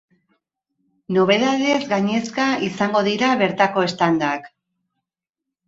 Nobedadez gainezka izango dira bertako standak.